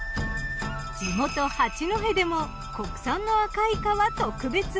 地元八戸でも国産の赤イカは特別。